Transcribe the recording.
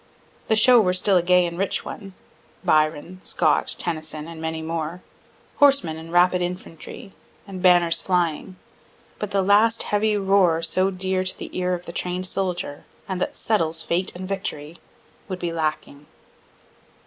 The show were still a gay and rich one Byron, Scott, Tennyson, and many more horsemen and rapid infantry, and banners flying but the last heavy roar so dear to the ear of the train'd soldier, and that settles fate and victory, would be lacking.